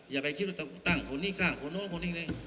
อย่าไปคิดว่าตั้งคนนี้ข้างคนโน้นคนซีน